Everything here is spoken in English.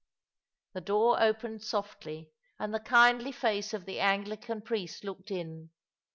The door opened softly, and the kindly face of the A.nglican priest looked in.